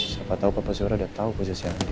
siapa tau bapak surya udah tau posisi andi